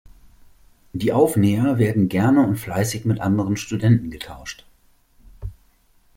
Die Aufnäher werden gerne und fleißig mit anderen Studenten getauscht.